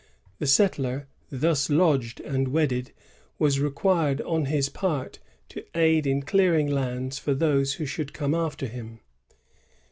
The settler, thus lodged and wedded, was required on his part to aid in clearing lands for those who should come after him.